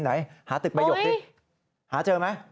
ไหนหาตึกประหยกดิหาเจอไหม